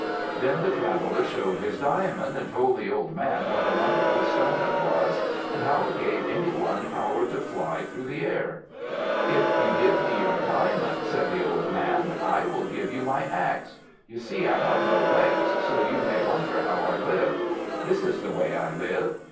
Then the traveller showed his diamond, and told the old man what a wonderful stone it was, and how it gave any one power to fly through the air. "If you will give me your diamond," said the old man, "I will give you my axe. You see I have no legs, so you may wonder how I live. This is the way I live.